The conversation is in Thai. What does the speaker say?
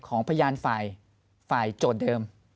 ของพยานฝ่ายฝ่ายโจทย์เดิม